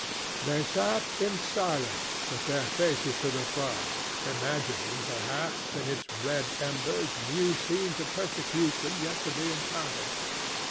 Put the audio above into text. They sat in silence, with their faces to the fire, imagining, perhaps, in its red embers new scenes of persecution yet to be encountered.